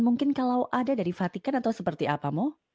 mungkin kalau ada dari faticon atau seperti apa mo